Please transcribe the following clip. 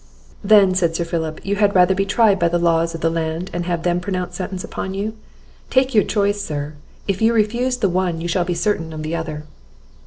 "Then," said Sir Philip, "you had rather be tried by the laws of the land, and have them pronounce sentence upon you? Take your choice, sir; if you refuse the one, you shall be certain of the other."